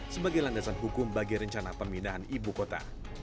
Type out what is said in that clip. sebagai landasan hukum bagi rencana pemindahan ibu kota